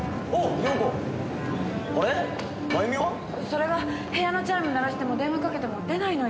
それが部屋のチャイム鳴らしても電話かけても出ないのよ。